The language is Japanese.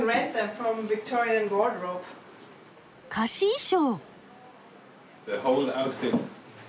貸衣装！